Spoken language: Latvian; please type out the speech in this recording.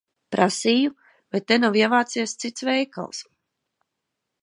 Prasīju, vai te nav ievācies cits veikals.